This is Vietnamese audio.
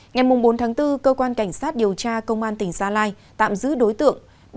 ngày bốn tháng bốn cơ quan cảnh sát điều tra công an tỉnh gia lai tạm giữ đối tượng